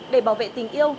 để bảo vệ tình yêu